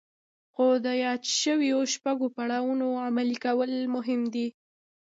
خو د يادو شويو شپږو پړاوونو عملي کول مهم دي.